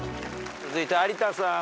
続いて有田さん。